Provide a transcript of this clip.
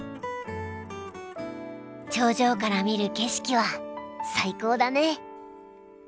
頂上から見る景色は最高だね。